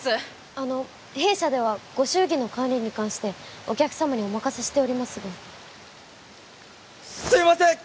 あの弊社ではご祝儀の管理に関してお客様にお任せしておりますがすいません！